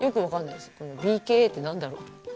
このＢＫＡってなんだろう。